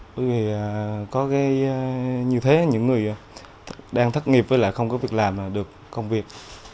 bởi vì có cái như thế những người đang thất nghiệp với lại không có việc làm được công việc